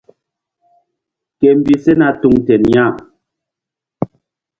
Ké-e mbi sena tuŋ ten ya.